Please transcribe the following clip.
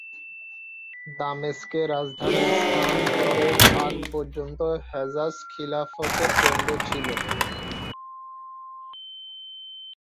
দামেস্কে রাজধানী স্থানান্তরের আগ পর্যন্ত হেজাজ খিলাফতের কেন্দ্র ছিল।